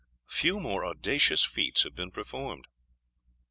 Few more audacious feats have been performed.